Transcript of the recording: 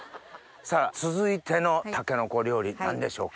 さぁ続いてのタケノコ料理何でしょうか？